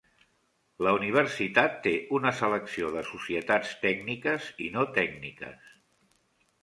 La universitat té una selecció de societats tècniques i no tècniques.